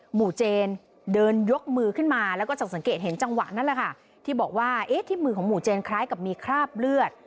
หมู่เจนเดินยกมือขึ้นมาแล้วก็จะสังเกตเห็นจังหวะนั้นแหละค่ะที่บอกว่าเอ๊ะที่มือของหมู่เจนคล้ายกับมีคราบเลือด